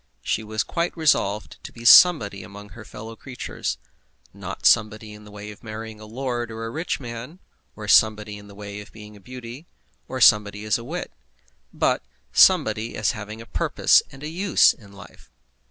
She was quite resolved to be somebody among her fellow creatures, not somebody in the way of marrying a lord or a rich man, or somebody in the way of being a beauty, or somebody as a wit; but somebody as having a purpose and a use in life.